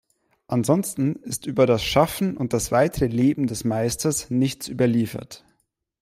Ansonsten ist über das Schaffen und das weitere Leben des Meisters nichts überliefert.